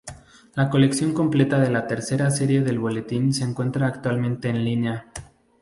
La colección completa de la Tercera Serie del Boletín se encuentra actualmente en línea.